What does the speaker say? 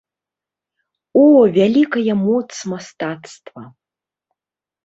О, вялікая моц мастацтва!